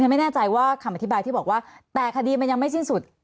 ไม่แน่ใจว่าคำอธิบายที่บอกว่าแต่คดีมันยังไม่สิ้นสุด